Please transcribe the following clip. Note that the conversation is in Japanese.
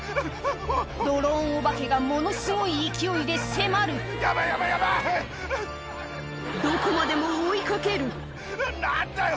ドローンオバケがものすごい勢いで迫るどこまでも追い掛ける何だよ！